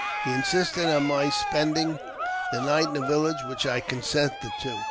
He insisted on my spending the night in the village, which I consented to.